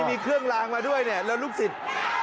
มีเครื่องลางมาด้วยเนี่ยแล้วลูกศิษย์